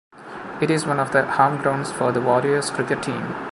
It is one of the home grounds for the Warriors cricket team.